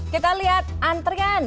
kita lihat antrian